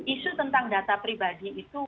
isu tentang data pribadi itu